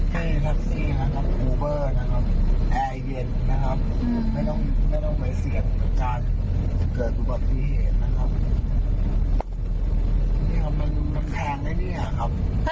คุณผู้ชมผู้เสียหายเนี่ยเขาถ่ายคลิปเอาไว้ได้เดี๋ยวฟังกันหน่อยค่ะ